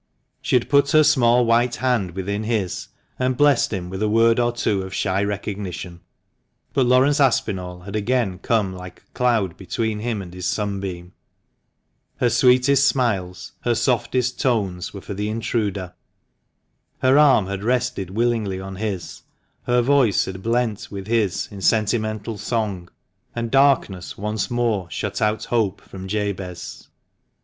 She had put her small white hand within his, and blessed him with a word or two of shy recognition ; but Laurence Aspinall had again come like a cloud between him and his sunbeam ; her sweetest smiles, her softest tones, were for the intruder; her arm had rested willingly on his, her voice had blent with his in sentimental song, and darkness once more shut out hope from Jabez.